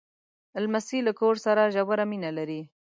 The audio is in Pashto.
لمسی له کور سره ژوره مینه لري.